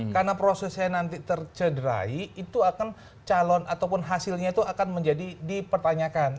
karena prosesnya nanti tercederai itu akan calon ataupun hasilnya itu akan menjadi dipertanyakan